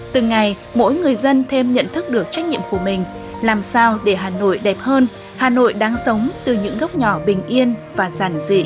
từng ngày mỗi người dân thêm nhận thức được trách nhiệm của mình làm sao để hà nội đẹp hơn hà nội đáng sống từ những gốc nhỏ bình yên và giản dị